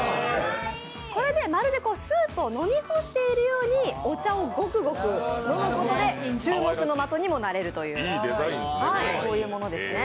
これでまるでスープを飲み干しているようにお茶をゴクゴク飲むことで注目の的になれるというもの。